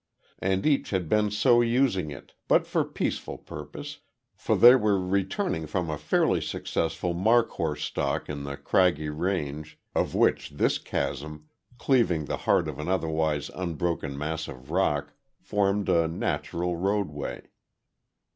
And each had been so using it, but for peaceful purpose, for they were returning from a fairly successful markhor stalk in the craggy range, of which this chasm, cleaving the heart of an otherwise unbroken mass of rock, formed a natural roadway.